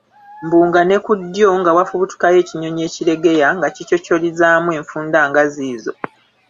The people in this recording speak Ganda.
Mbu nga ne ku ddyo nga wafubutukayo ekinyonyi ekiregeya nga kicocolizaamu enfunda nga ziizo.